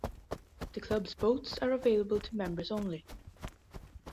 The club's boats are available to members only.